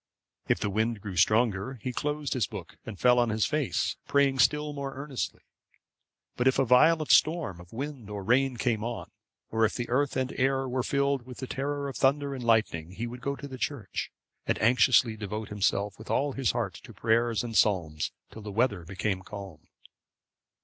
If the wind grew stronger, he closed his book, and fell on his face, praying still more earnestly. But, if a violent storm of wind or rain came on, or if the earth and air were filled with the terror of thunder and lightning, he would go to the church, and anxiously devote himself with all his heart to prayers and psalms till the weather became calm.